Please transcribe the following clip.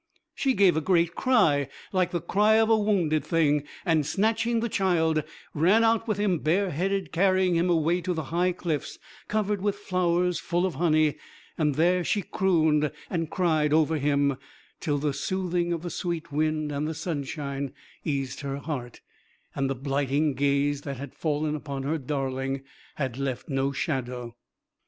She gave a great cry, like the cry of a wounded thing, and snatching the child, ran out with him bareheaded, carrying him away to the high cliffs covered with flowers full of honey, and there she crooned and cried over him till the soothing of the sweet wind and the sunshine eased her heart, and the blighting gaze that had fallen upon her darling had left no shadow.